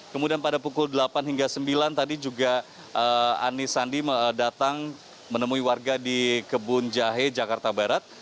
kemudian pada pukul delapan hingga sembilan tadi juga anis sandi datang menemui warga di kebun jahe jakarta barat